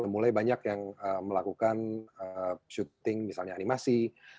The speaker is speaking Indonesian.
mulai banyak yang melakukan syuting misalnya animasi